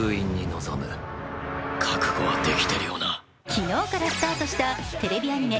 昨日からスタートしたテレビアニメ